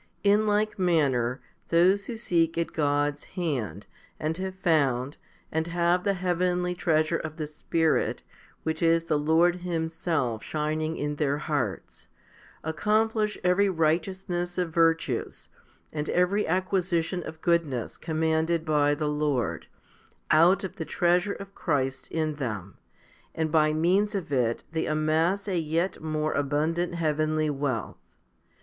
In like manner those who seek at God's hand, and have found, and have the heavenly treasure of the Spirit, which is the Lord Himself shining in their hearts, accomplish every righteousness of virtues, and every acquisition of goodness commanded by the Lord, out of the treasure of Christ in them, and by means of it they amass a yet more abundant heavenly wealth.